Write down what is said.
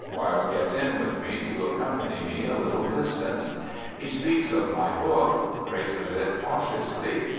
Wilde gets in with me to ac company me a little distance. He speaks of my book, praises it cautiously.